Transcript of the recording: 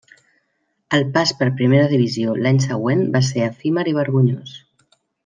El pas per Primera divisió l'any següent va ser efímer i vergonyós.